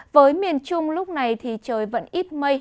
với miền trung lúc này thì trời vẫn ít mây